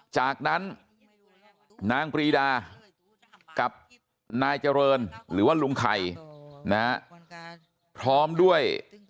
จากนั้นนางปรีดากับนายเจริญหรือว่าลุงไข่นะฮะพร้อมด้วย